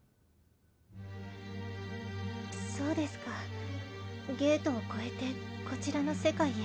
そうですかゲートを越えてこちらの世界へ。